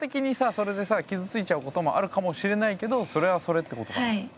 それでさ傷ついちゃうこともあるかもしれないけどそれはそれってことかな。